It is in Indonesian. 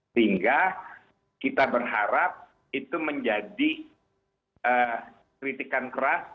sehingga kita berharap itu menjadi kritikan keras